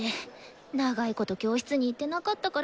長いこと教室に行ってなかったからかなぁ？